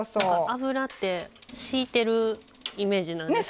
油ってしいてるイメージなんですけど。